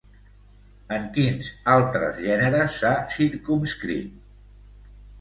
En quins altres gèneres s'ha circumscrit?